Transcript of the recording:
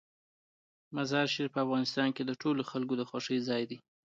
مزارشریف په افغانستان کې د ټولو خلکو د خوښې ځای دی.